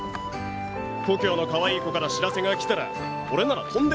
故郷のかわいい子から知らせが来たら俺なら飛んで帰る。